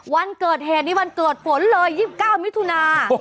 วันเกิดเหตุนี่วันเกิดฝนเลย๒๙มิถุนา